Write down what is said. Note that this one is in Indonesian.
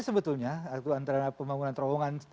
sebetulnya antara pembangunan terowongan